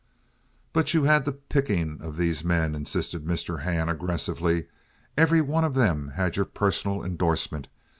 "But you had the picking of these men," insisted Mr. Hand, aggressively. "Every one of them had your personal indorsement.